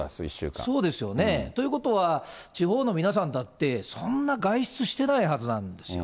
そうですよね。ということは、地方の皆さんだって、そんな外出してないはずなんですよ。